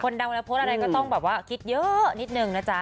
ดังเวลาโพสต์อะไรก็ต้องแบบว่าคิดเยอะนิดนึงนะจ๊ะ